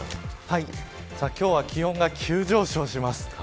今日は気温が急上昇します。